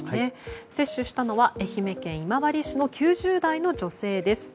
接種したのは愛媛県今治市の９０代の女性です。